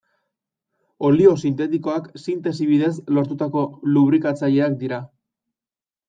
Olio sintetikoak sintesi bidez lortutako lubrifikatzaileak dira.